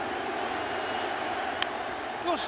よし！